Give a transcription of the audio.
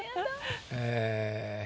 え。